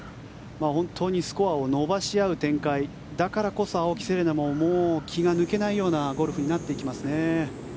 本当にスコアを伸ばし合う展開だからこそ青木瀬令奈ももう気が抜けないようなゴルフになっていきますね。